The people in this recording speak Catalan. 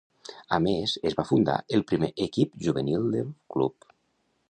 A més, es va fundar el primer equip Juvenil del club.